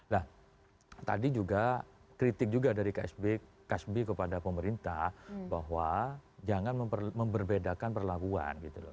nah tadi juga kritik juga dari ksb kepada pemerintah bahwa jangan memberbedakan perlakuan gitu loh